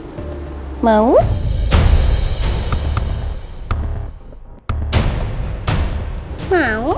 kita jalan jalan ke tempatnya om baik